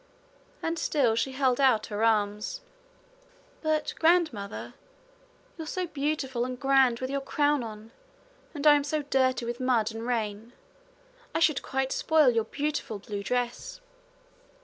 And still she held out her arms. 'But, grandmother, you're so beautiful and grand with your crown on; and I am so dirty with mud and rain! I should quite spoil your beautiful blue dress.'